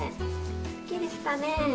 すっきりしたね。